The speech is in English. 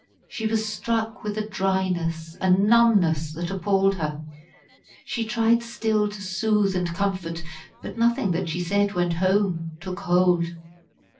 She was struck with a dryness, a numbness, that appalled her. She tried still to soothe and comfort, but nothing that she said went home took hold.